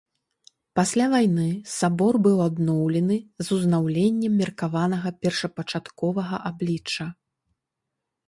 Пасля вайны сабор быў адноўлены з узнаўленнем меркаванага першапачатковага аблічча.